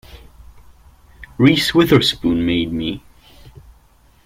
Reese Witherspoon made me.